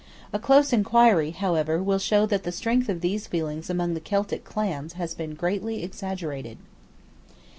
A close inquiry however will show that the strength of these feelings among the Celtic clans has been greatly exaggerated.